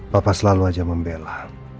bapak selalu saja membela